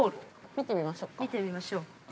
見てみましょうか。